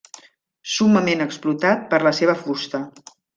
Summament explotat per la seva fusta.